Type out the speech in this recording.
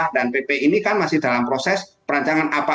dan pp ini kan masih dalam proses perancangan apa